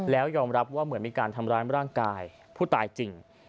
แล้วยอมรับว่าเหมือนมีการทำร้ายร่างกายผู้ตายจริง